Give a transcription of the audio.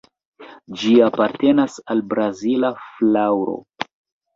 Ĝi apartenas al Brazila flaŭro.